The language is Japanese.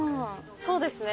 そうですね